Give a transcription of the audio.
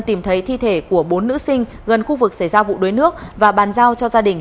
tìm thấy thi thể của bốn nữ sinh gần khu vực xảy ra vụ đuối nước và bàn giao cho gia đình